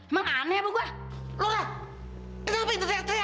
emang aneh apa gua lo ngapain teriak teriak ha